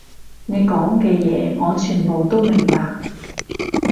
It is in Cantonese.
你講嘅嘢，我全部都明白